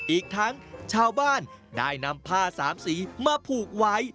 อีกทั้งชาวบ้านได้นำผ้าสามสีมาผูกไว้